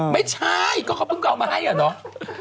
ไม่ใช่ก็เขาเพิ่งเอามาให้อะเนาะ